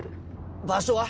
場所は？